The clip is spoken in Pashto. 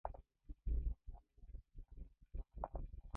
تر کومه به د علي خوټو ته اوبه ور اچوم؟